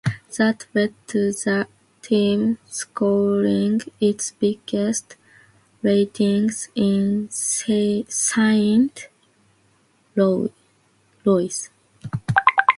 That led to the team scoring its biggest ratings in Saint Louis.